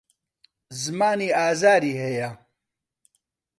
زمانی ئازاری هەیە.